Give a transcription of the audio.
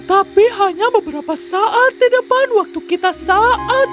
tapi hanya beberapa saat di depan waktu kita saat